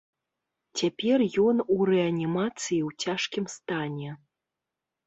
Цяпер ён у рэанімацыі ў цяжкім стане.